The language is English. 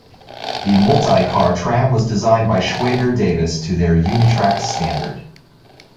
The multi-car tram was designed by Schwager-Davis to their UniTrak standard.